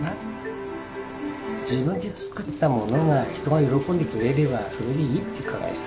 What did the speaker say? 自分で作ったものが人が喜んでくれればそれでいいって考えさ。